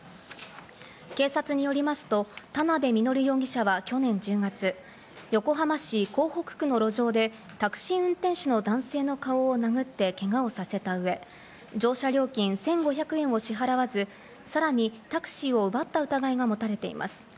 警察によりますと、田辺実容疑者は去年１０月、横浜市港北区の路上でタクシー運転手の男性の顔を殴ってけがをさせた上、乗車料金１５００円を支払わず、さらにタクシーを奪った疑いが持たれています。